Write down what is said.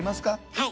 はい。